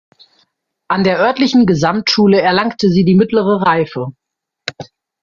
An der örtlichen Gesamtschule erlangte sie die mittlere Reife.